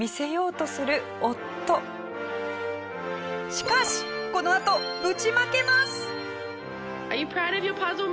しかしこのあとぶちまけます！